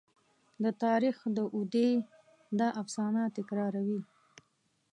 د تاریخ داودي دا افسانه تکراروي.